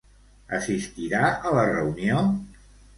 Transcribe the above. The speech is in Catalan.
Assistirà a la reunió?